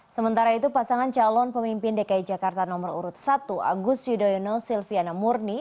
sementara itu pasangan calon pemimpin dki jakarta nomor urut satu agus yudhoyono silviana murni